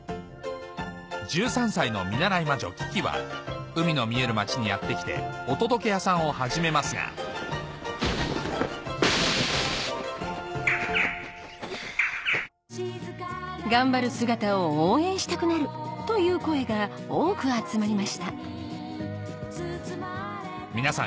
１３歳の見習い魔女キキは海の見える町にやって来てお届け屋さんを始めますが頑張る姿を応援したくなるという声が多く集まりました皆さん